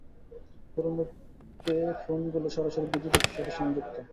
পুরনো পে ফোনগুলো সরাসরি বিদ্যুৎ অফিসের সাথে সংযুক্ত!